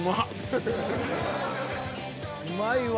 うまいわ。